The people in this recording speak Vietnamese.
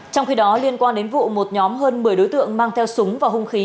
trong khi đó liên quan đến vụ một nhóm hơn một mươi đối tượng mang theo súng và hung khí